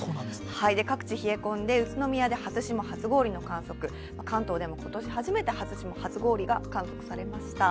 各地冷え込んで宇都宮で初霜・初氷の観測、関東でも今年初めて初霜・初氷が観測されました。